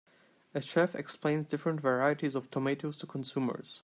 A chef explains different varieties of Tomatoes to consumers.